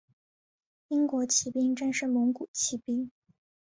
英国骑兵战胜蒙古骑兵。